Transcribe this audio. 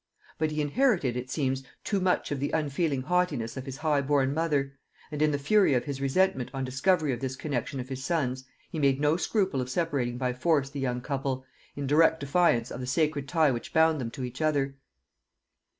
But he inherited, it seems, too much of the unfeeling haughtiness of his high born mother; and in the fury of his resentment on discovery of this connexion of his son's, he made no scruple of separating by force the young couple, in direct defiance of the sacred tie which bound them to each other.